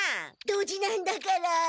ドジなんだから。